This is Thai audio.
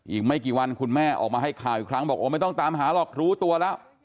อีกไม่กี่วันคุณแม่ออกมาให้ข่าวอีกครั้งบอกโอ้ไม่ต้องตามหาหรอกรู้ตัวแล้ว